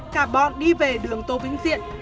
cả bọn đi về đường tô vĩnh diện